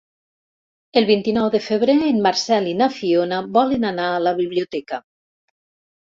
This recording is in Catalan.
El vint-i-nou de febrer en Marcel i na Fiona volen anar a la biblioteca.